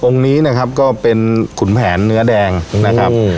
นี้นะครับก็เป็นขุนแผนเนื้อแดงนะครับ